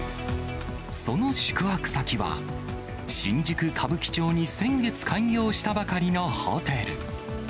その宿泊先は、新宿・歌舞伎町に先月開業したばかりのホテル。